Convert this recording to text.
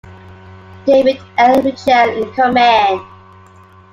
David L. Whelchel in command.